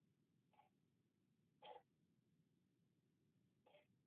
四方蒿为唇形科香薷属下的一个种。